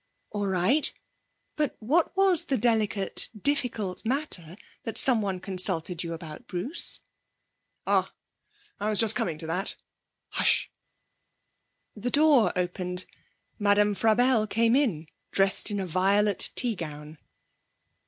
'All right. But what was the delicate, difficult matter that someone consulted you about, Bruce?' 'Ah, I was just coining to that.... Hush!' The door opened. Madame Frabelle came in, dressed in a violet tea gown.